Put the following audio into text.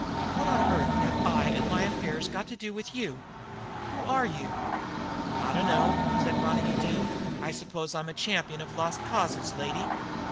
"What on earth have I and my affairs got to do with you? Who are you?" "I dunno," said Ronicky Doone. "I suppose you might say I'm a champion of lost causes, lady.